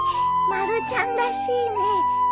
まるちゃんらしいね。